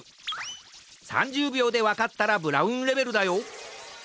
３０びょうでわかったらブラウンレベルだよ。